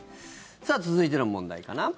さあ、続いての問題かな。